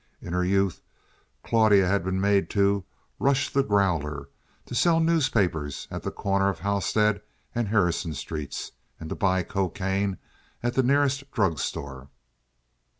In her youth Claudia had been made to "rush the growler," to sell newspapers at the corner of Halstead and Harrison streets, and to buy cocaine at the nearest drug store.